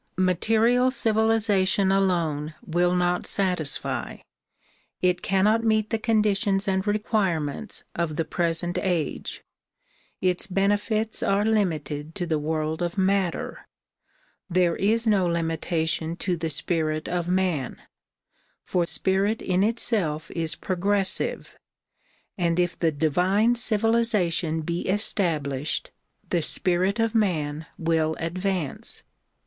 Material civilization alone will not satisfy; it cannot meet the conditions and requirements of the present age. Its benefits are limited to the world of matter. There is no limitation to the spirit of man, for spirit in itself is progressive and if the divine civiliza tion be established the spirit of man will advance.